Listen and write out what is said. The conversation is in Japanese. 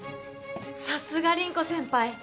さすが凛子先輩！